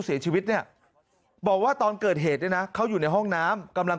เสียชีวิตเนี่ยบอกว่าตอนเกิดเหตุเนี่ยนะเขาอยู่ในห้องน้ำกำลัง